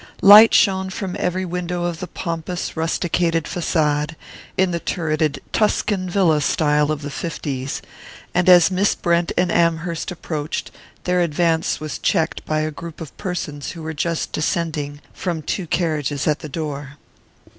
Light shone from every window of the pompous rusticated façade in the turreted "Tuscan villa" style of the 'fifties and as Miss Brent and Amherst approached, their advance was checked by a group of persons who were just descending from two carriages at the door.